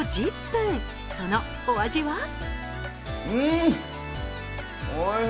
そのお味は？